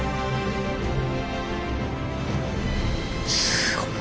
すごい。